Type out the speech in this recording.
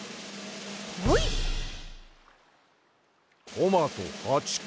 トマト８こ。